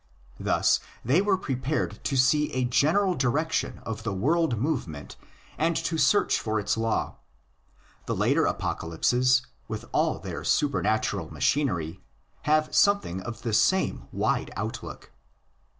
Thus they were prepared to see a general direction of the world movement and to search for its law. The later apocalypses, with all their supernatural machinery, have something of the same wide outlook.